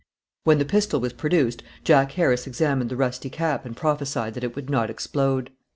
When the pistol was produced, Jack Harris examined the rusty cap and prophesied that it would not explode.